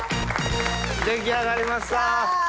出来上がりました。